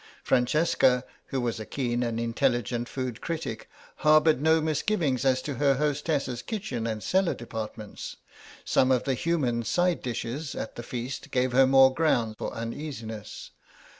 Francesca, who was a keen and intelligent food critic, harboured no misgivings as to her hostess's kitchen and cellar departments; some of the human side dishes at the feast gave her more ground for uneasiness.